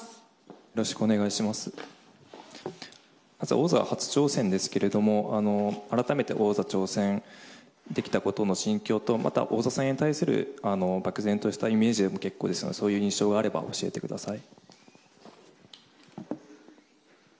王座初挑戦ですけれども改めて王座に挑戦できたことの心境とまた王座戦に対する漠然としたイメージでも結構ですそういう印象があれば教えてください。